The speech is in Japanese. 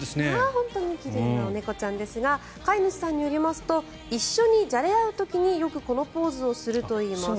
本当に奇麗な猫ちゃんですが飼い主さんによりますと一緒にじゃれ合う時によくこのポーズをするといいます。